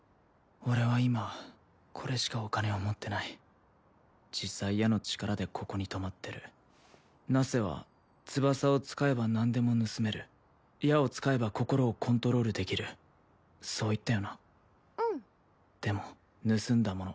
俺は今これしかお金を持ってない実際矢の力でここに泊まってるナッセは翼を使えば何でも盗める矢を使えば心をコントロールできるそう言ったよなうんでも盗んだもの